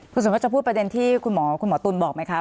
คุณสมมติจะพูดประเด็นที่คุณหมอตุ๋นบอกไหมครับ